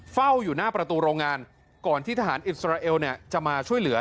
เฝ้าอยู่หน้าประตูโรงงานก่อนที่ทหารอิสราเอลจะมาช่วยเหลือ